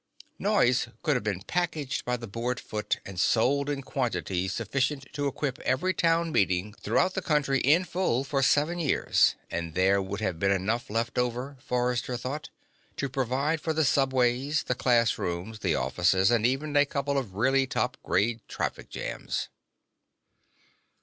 Noise could have been packaged by the board foot and sold in quantities sufficient to equip every town meeting throughout the country in full for seven years, and there would have been enough left over, Forrester thought, to provide for the subways, the classrooms, the offices and even a couple of really top grade traffic jams.